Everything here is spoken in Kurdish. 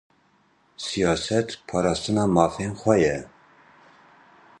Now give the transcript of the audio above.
Sîyaset, parastina mafên xwe ye